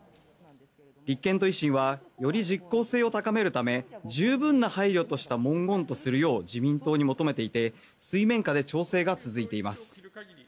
立憲と維新はより実効性を高めるため十分な配慮とした文言とするよう自民党に求めていて水面下で調整が続いています。